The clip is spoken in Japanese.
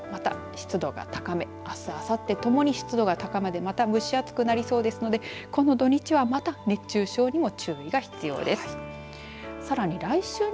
そしてあすはまた湿度が高めあす、あさってともに湿度が高めで、また蒸し暑くなりそうですのでこの土日はまた熱中症にも注意が必要です。